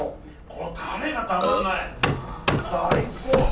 このタレがたまんない最高！